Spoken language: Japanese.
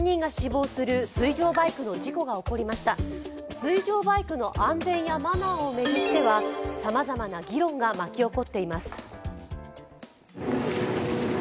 水上バイクの安全やマナーを巡っては、さまざまな議論が巻き起こっています。